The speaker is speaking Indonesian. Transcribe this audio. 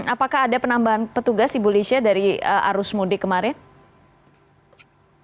apakah ada penambahan petugas ibu lisha dari arus mudik kemarin